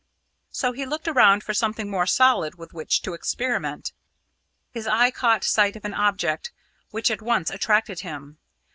So he looked around for something more solid with which to experiment. His eye caught sight of an object which at once attracted him.